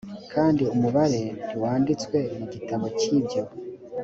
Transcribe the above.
kandi umubare ntiwanditswe mu gitabo cy ibyo